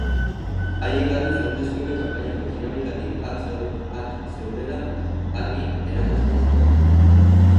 Haiek, aldiz, hauteskunde kanpainako dinamikatik at zeudela argi erakusten zuten.